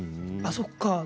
あそっか。